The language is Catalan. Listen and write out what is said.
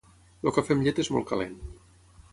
El cafè amb llet és molt calent.